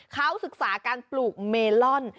เขาศึกษาการปลูกเมลอน